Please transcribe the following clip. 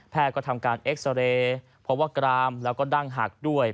แพทย์ก็ทำการเอ็กซ์เรย์พอว่ากรามแล้วก็ดั่งหักด้วย